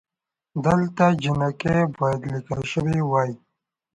دلته جینکۍ بايد ليکل شوې وئ